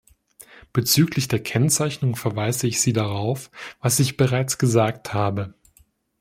Bezüglich der Kennzeichnung verweise ich Sie darauf, was ich bereits gesagt habe.